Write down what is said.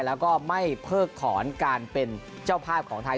แล้วก็ไม่เพิกถอนการเป็นเจ้าภาพของไทย